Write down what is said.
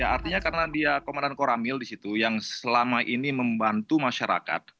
artinya karena dia komandan koramil di situ yang selama ini membantu masyarakat